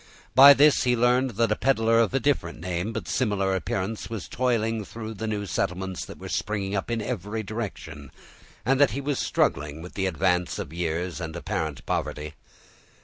By this he learned that a peddler of a different name, but similar appearance, was toiling through the new settlements that were springing up in every direction, and that he was struggling with the advance of years and apparent poverty.